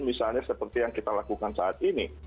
misalnya seperti yang kita lakukan saat ini